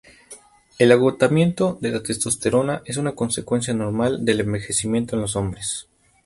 El "agotamiento" de la testosterona es una consecuencia normal del envejecimiento en los hombres.